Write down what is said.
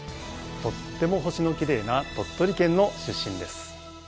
とっても星のきれいな鳥取県の出身です。